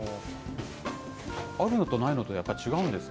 あるのとないのと、やっぱ違うんですか？